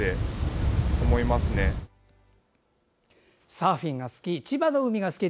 サーフィンが好き千葉の海が好き。